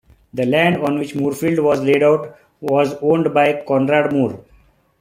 The land on which Moorefield was laid out was owned by Conrad Moore.